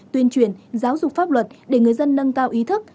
tuyên truyền giáo dục pháp luật để người dân nâng cao ý thức